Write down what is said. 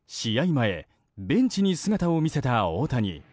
前ベンチに姿を見せた大谷。